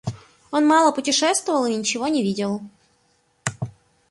Он мало путешествовал и ничего не видел.